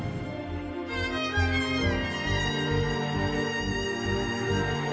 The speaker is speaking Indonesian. aku akan gunakan waktu ini